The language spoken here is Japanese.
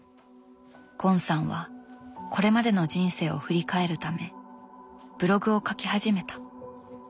ゴンさんはこれまでの人生を振り返るためブログを書き始めた。